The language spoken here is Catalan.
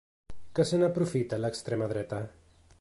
Que se n’aprofita l’extrema dreta?